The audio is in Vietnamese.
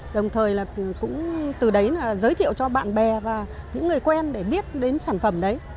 đồng thời là cũng từ đấy là giới thiệu cho bạn bè và những người quen để biết đến sản phẩm đấy